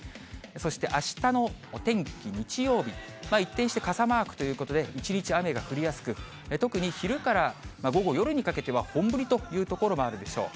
そして、あしたのお天気、日曜日、一転して傘マークということで、一日雨が降りやすく、特に昼から午後、夜にかけては、本降りという所もあるでしょう。